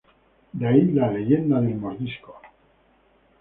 De ahí la leyenda del mordisco.